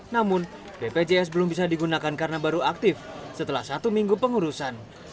namun bpjs belum bisa digunakan karena baru aktif setelah satu minggu pengurusan